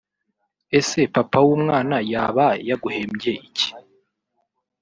Ese papa w'umwana yaba yaguhembye iki